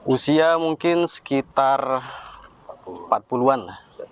usia mungkin sekitar empat puluh an lah